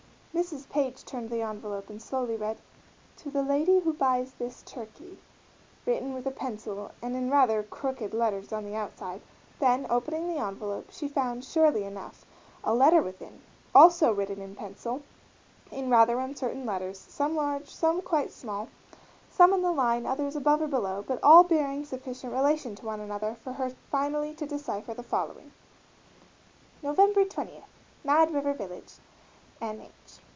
Mrs. Page turned the envelope and slowly read, "To the lady who buys this turkey," written with a pencil and in rather crooked letters on the outside; then opening the envelope she found, surely enough, a letter within, also written in pencil, in rather uncertain letters, some large, some quite small, some on the line, others above or below, but all bearing sufficient relation to one another for her finally to decipher the following: Nov. 20, _Mad River Village, N. H.